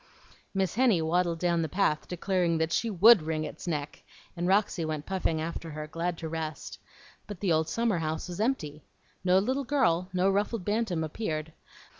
Miss Henny waddled down the path, declaring that she WOULD wring its neck; and Roxy went puffing after her, glad to rest. But the old summer house was empty. No little girl, no ruffled bantam, appeared.